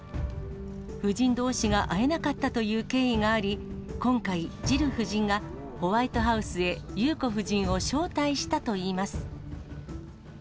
夫人どうしが会えなかったという経緯があり、今回、ジル夫人がホワイトハウスへ裕子夫人を招待したといいます。